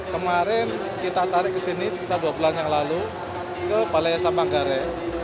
kemarin kita tarik ke sini sekitar dua bulan yang lalu ke balai esa manggare